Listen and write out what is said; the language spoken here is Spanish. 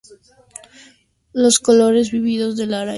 Los colores vívidos de la araña están producidas por nanoestructuras.